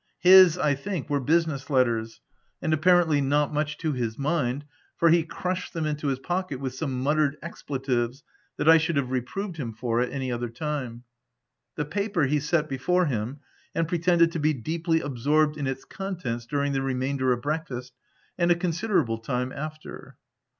His, I think, were business letters, and apparently not much to his mind, for he crushed them into his pocket with some muttered expletives, that I should have re proved him for at any other time. The paper, he set before him, and pretended to be deeply absorbed in its contents during the remainder of breakfast, and a considerable time after.